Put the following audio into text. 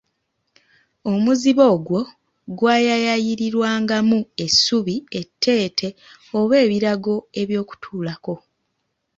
Omuzibo ogwo gwayayayirirwangamu essubi etteete oba ebirago eby’okutuulako.